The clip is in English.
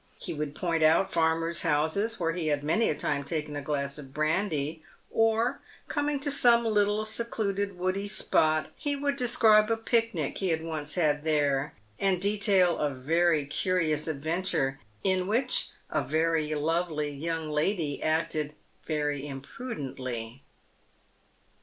He would point out farmers' houses where he had many a time taken a glass of brandy, or, coming to some little secluded woody spot, he would describe a pic nic he once had there, and detail a very curious adventure, in which a very lovely young lady acted very imprudently.